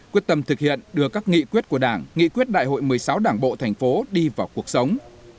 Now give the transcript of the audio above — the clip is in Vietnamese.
quyết tâm thực hiện đưa các nghị quyết của đảng nghị quyết đại hội một mươi sáu đảng bộ thành phố đi vào cuộc sống